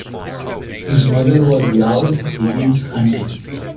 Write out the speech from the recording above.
His mother was Louise Higgins Hunting.